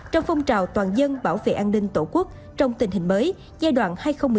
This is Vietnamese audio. trong phong trào toàn dân bảo vệ an ninh tổ quốc trong tình hình mới giai đoạn hai nghìn một mươi chín hai nghìn hai mươi bốn